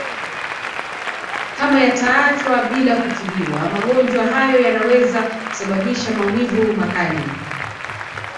Kama yataachwa bila kutibiwa magonjwa hayo yanaweza kusababisha maumivu makali